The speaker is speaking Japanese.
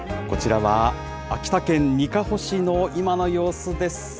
こちらは秋田県にかほ市の今の様子です。